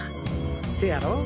せやろ？